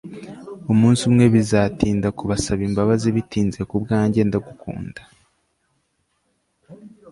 Umunsi umwe bizatinda kubasaba imbabazi bitinze kubwanjye ndagukunda